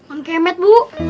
ang kemet bu